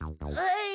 はい。